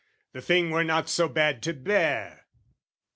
The thing were not so bad to bear!